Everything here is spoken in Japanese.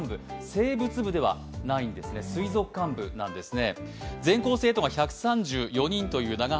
生物部ではないんですね、水族館部なんですね。